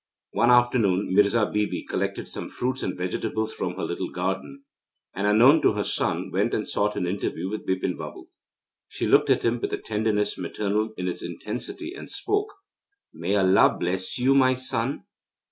One afternoon, Mirza Bibi collected some fruits and vegetables from her little garden, and unknown to her son went and sought an interview with Bipin Babu. She looked at him with a tenderness maternal in its intensity, and spoke: 'May Allah bless you, my son.